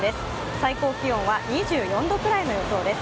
最高気温は２４度くらいの予想です。